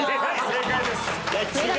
正解です！